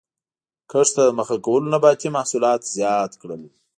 کښت ته مخه کولو نباتي محصولات زیات کړل